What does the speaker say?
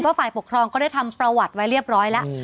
ฝ่ายปกครองก็ได้ทำประวัติไว้เรียบร้อยแล้ว